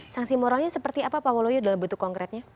sanksi moralnya seperti apa pak waluyo dalam bentuk konkretnya